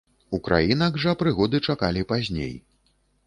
Украінак жа прыгоды чакалі пазней.